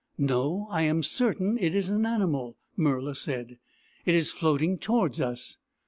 " No, I am certain it is an animal," Murla said. " It is floating towards us.